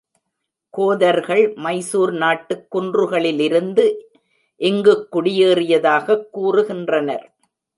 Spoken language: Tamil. கோதர்கள் மைசூர் நாட்டுக் குன்றுகளிலிருந்து இங்குக் குடியேறியதாகக் கூறுகின்றனர்.